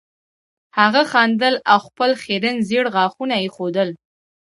هغه خندل او خپل خیرن زیړ غاښونه یې ښودل